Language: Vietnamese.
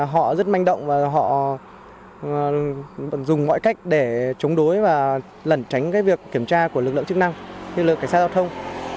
họ rất manh động và họ dùng mọi cách để chống đối và lẩn tránh việc kiểm tra của lực lượng chức năng lực lượng cảnh sát giao thông